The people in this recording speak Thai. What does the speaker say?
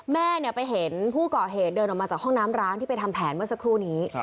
แม่ไปเห็นผู้ก่อเหตุเดินออกมาจากห้องน้ำร้างที่ไปทำแผนเมื่อสักครู่นี้